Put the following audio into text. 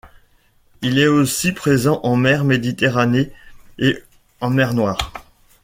Il est aussi présent en mer Méditerranée et en mer Noire.